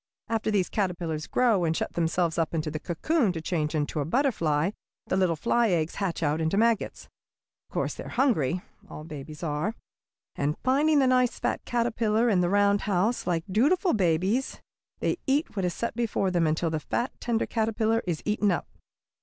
After these caterpillars grow and shut themselves up into a cocoon to change into a butterfly the little fly eggs hatch out into maggots. Of course they are hungry all babies are; and finding the nice, fat caterpillar in the round house, like dutiful babies they eat what is set before them until the fat, tender caterpillar is eaten up.